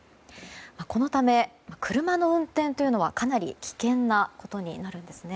このため車の運転というのはかなり危険なことになります。